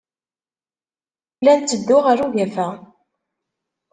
La netteddu ɣer ugafa.